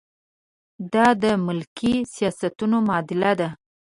دا د ملکي سیاستونو معادله ده.